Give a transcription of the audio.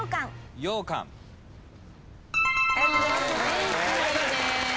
正解です。